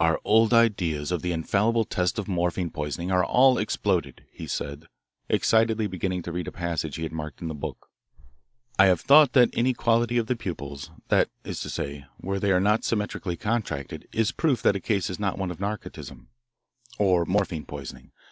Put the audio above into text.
"Our old ideas of the infallible test of morphine poisoning are all exploded," he said, excitedly beginning to read a passage he had marked in the book. "'I have thought that inequality of the pupils, that is to say, where they are not symmetrically contracted, is proof that a case is not one of narcotism, or morphine poisoning.